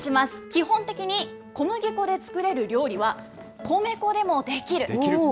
基本的に小麦粉で作れる料理は米粉でもできる。